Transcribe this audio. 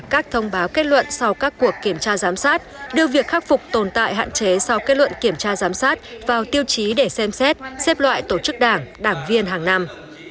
các thông báo kết luận sau các cuộc kiểm tra giám sát đưa việc khắc phục tồn tại hạn chế sau kết luận kiểm tra giám sát vào tiêu chí để xem xét xếp loại tổ chức đảng đảng viên hàng năm